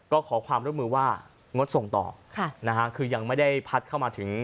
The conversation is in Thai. ก็ขอความร่วมมือว่างดส่งต่อค่ะนะฮะคือยังไม่ได้พัดเข้ามาถึง